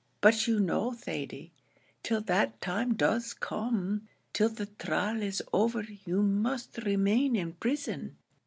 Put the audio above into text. But you know, Thady, till that time does come till the trial is over, you must remain in prison."